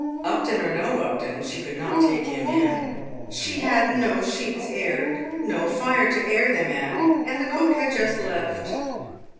Upton or no Upton, she could not take him in. She had no sheets aired, no fire to air them at, and the cook had just left.